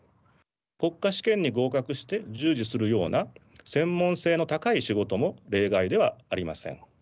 国家試験に合格して従事するような専門性の高い仕事も例外ではありません。